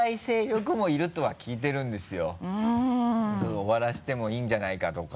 「終わらせてもいいんじゃないか」とか。